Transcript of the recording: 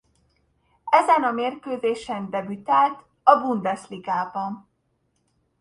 Ezen a mérkőzésen debütált a Bundesligában.